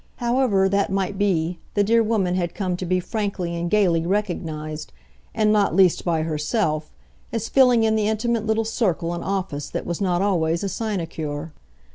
However that might be, the dear woman had come to be frankly and gaily recognised and not least by herself as filling in the intimate little circle an office that was not always a sinecure.